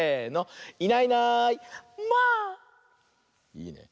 いいね。